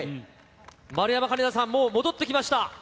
丸山桂里奈さん、もう戻ってきました。